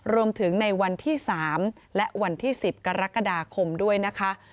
รวมถึงในวันที่๓และวันที่๑๐กรกฎาคมด้วยนะคะ